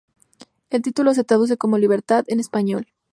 El título se traduce como "Libertad" en español.